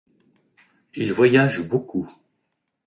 Il voyage beaucoup.